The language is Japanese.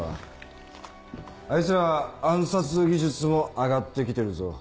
あいつら暗殺技術も上がってきてるぞ